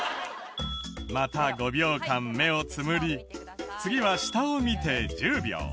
また５秒間目をつむり次は下を見て１０秒。